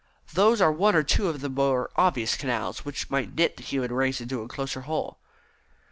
Those are one or two of the more obvious canals which might knit the human race into a closer whole."